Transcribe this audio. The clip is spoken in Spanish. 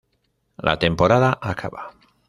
La temporada acaba.